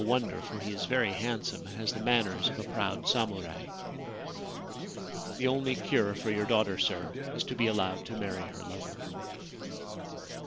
wonder, for he is very handsome and has the manners of a proud samurai. The only cure for your daughter, sir, is to be allowed to marry her lover.'